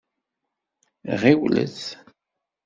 Ɣiwlet!